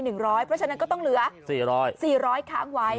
เพราะฉะนั้นก็ต้องเหลือ๔๐๐๔๐๐ค้างไว้